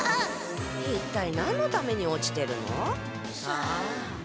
一体何のために落ちてるの？さあ？